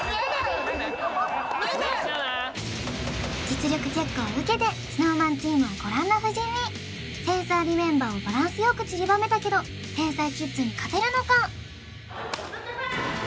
実力チェックを受けてＳｎｏｗＭａｎチームはご覧の布陣にセンスありメンバーをバランスよくちりばめたけど天才キッズに勝てるのか？